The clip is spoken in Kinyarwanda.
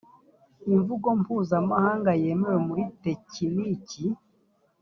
imvugo mpuzamahanga yemewe muri tekiniki